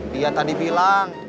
dia tadi bilang